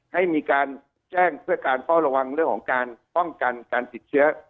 ให้มีการแจ้งเพื่อการเฝ้าระวังเรื่องของการป้องกันการติดเชื้อ